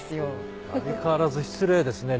相変わらず失礼ですね。